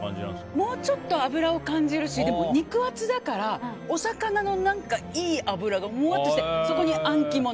もうちょっと脂を感じるし肉厚だからお魚のいい脂がふわっとしてそこにアン肝の。